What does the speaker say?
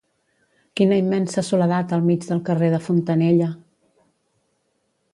Quina immensa soledat al mig del carrer de Fontanella!